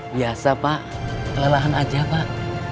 biasa pak kelelahan aja pak